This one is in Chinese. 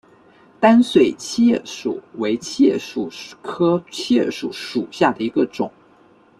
单穗桤叶树为桤叶树科桤叶树属下的一个种。